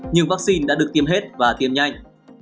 nhưng vaccine đã được tiêm hết và tiêm nhanh